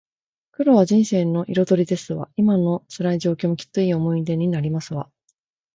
苦労は人生の彩りですわ。今の辛い状況も、きっといい思い出になりますわ